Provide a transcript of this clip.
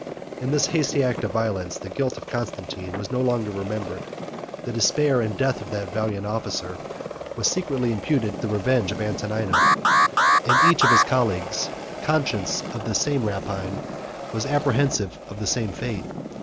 95 In this hasty act of violence, the guilt of Constantine was no longer remembered; the despair and death of that valiant officer were secretly imputed to the revenge of Antonina; and each of his colleagues, conscious of the same rapine, was apprehensive of the same fate.